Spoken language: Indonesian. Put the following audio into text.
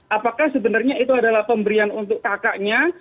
apakah sebenarnya itu adalah pemberian untuk kakaknya